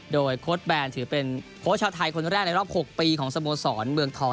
โดยโค้ดแบนถือเป็นโค้ชชาวไทยคนแรกในรอบ๖ปีของสโมสรเมืองทอง